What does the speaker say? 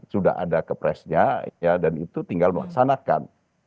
sudah ada kepresnya dan itu tinggal melaksanakan